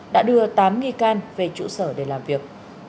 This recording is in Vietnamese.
đã đưa tám nghi can về trụ sở để làm việc